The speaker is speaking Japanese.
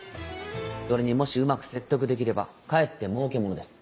それにもしうまく説得できればかえってもうけものです